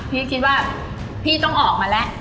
พี่คิดว่าพี่ต้องออกมาแล้ว